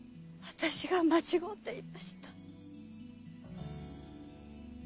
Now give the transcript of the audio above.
私が間違うていました。